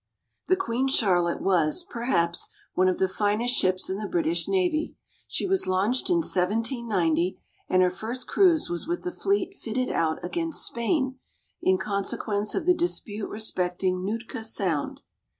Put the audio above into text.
The Queen Charlotte was, perhaps, one of the finest ships in the British navy. She was launched in 1790, and her first cruise was with the fleet fitted out against Spain, in consequence of the dispute respecting Nootka Sound.